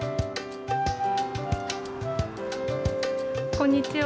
こんにちは。